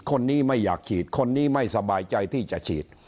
คนนี้ไม่อยากฉีดคนนี้ไม่สบายใจที่จะฉีด